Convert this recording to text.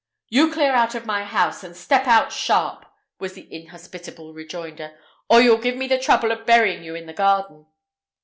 "You clear out of my house, and clear out sharp," was the inhospitable rejoinder, "or you'll give me the trouble of burying you in the garden."